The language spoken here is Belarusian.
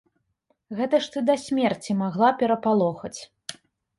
Гэта ж ты да смерці магла перапалохаць.